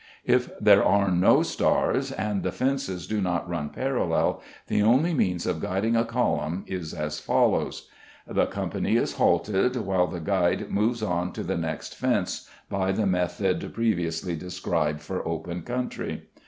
If there are no stars, and the fences do not run parallel, the only means of guiding a column is as follows:— The company is halted while the guide moves on to the next fence by the method previously described for open country.